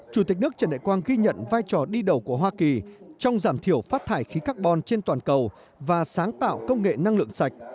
chủ tịch nước trần đại quang ghi nhận vai trò đi đầu của hoa kỳ trong giảm thiểu phát thải khí carbon trên toàn cầu và sáng tạo công nghệ năng lượng sạch